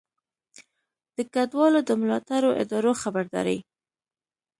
د کډوالو د ملاتړو ادارو خبرداری